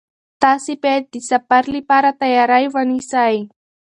تاسي باید د سفر لپاره تیاری ونیسئ.